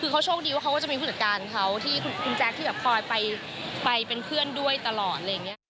ก็โชคดีว่าเขาก็จะมีผู้จัดการเขาที่คุณแจ๊คที่กับคอยไปเป็นเพื่อนด้วยตลอด